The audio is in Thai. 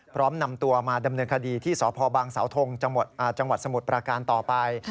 พร้อมนำตัวมาดำเนินคดีที่สพบังเสาทงจังหวัดสมุทรประการต่อไป